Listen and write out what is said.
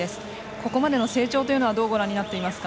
ここまでの成長はどうご覧になっていますか？